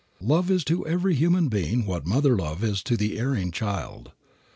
Love is to every human being what mother love is to the erring child.